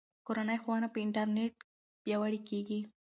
کورنۍ ښوونه په انټرنیټ پیاوړې کیږي.